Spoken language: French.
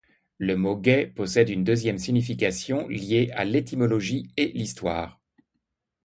Le mot gai possède une deuxième signification liée à l'étymologie et l'Histoire.